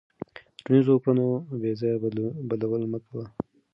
د ټولنیزو کړنو بېځایه بدلول مه کوه.